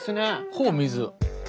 ほぼ水。